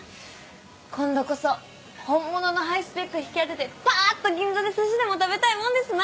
今度こそ本物のハイスペック引き当ててパっと銀座で寿司でも食べたいもんですな！